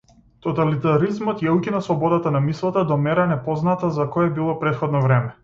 Тоталитаризмот ја укина слободата на мислата до мера непозната за кое било претходно време.